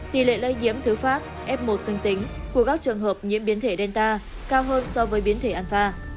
tỷ lệ lây nhiễm thứ phát f một dương tính của các trường hợp nhiễm biến thể delta cao hơn so với biến thể anfa